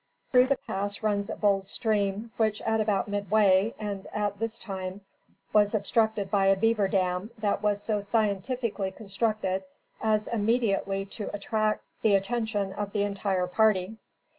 Through the pass runs a bold stream, which, at about midway (and at this time) was obstructed by a beaver dam, that was so scientifically constructed as immediately to attract the attention of the entire party.